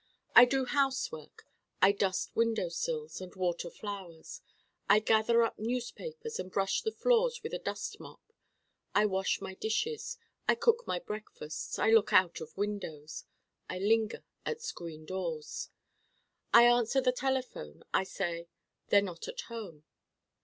I do housework I dust window sills and water flowers. I gather up newspapers and brush the floors with a dust mop. I wash my dishes. I cook my breakfasts. I look out of windows. I linger at screen doors. I answer the telephone: I say, 'They're not at home.